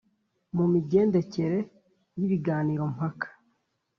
mu migendekere y’ibiganiro mpaka,